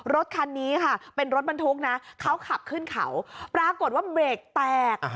รถคันนี้ค่ะเป็นรถบรรทุกนะเขาขับขึ้นเขาปรากฏว่าเบรกแตก